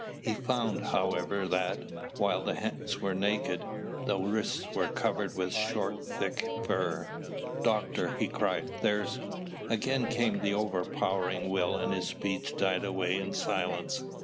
He found, however, that, while the hands were naked, the wrists were covered with short thick fur. "Doctor!" he cried, "there's " Again came the overpowering will and his speech died away in silence.